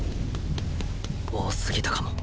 多すぎたかも